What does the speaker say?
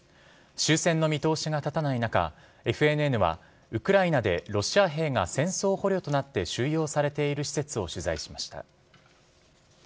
終戦の見通しが立たない中ＦＮＮはウクライナでロシア兵が戦争捕虜となって収容されている施設を取材しました。